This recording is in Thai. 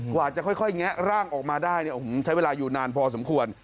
กว่าจะค่อยแงะร่างออกมาได้เนี่ยโอ้โหใช้เวลาอยู่นานพอสมควร